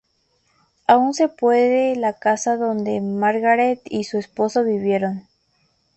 Aún se puede la casa donde Margaret y su esposo vivieron.